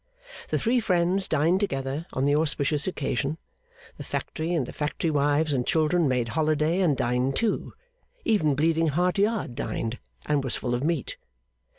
The three friends dined together on the auspicious occasion; the factory and the factory wives and children made holiday and dined too; even Bleeding Heart Yard dined and was full of meat.